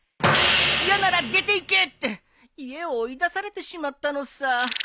「嫌なら出ていけ」って家を追い出されてしまったのさ。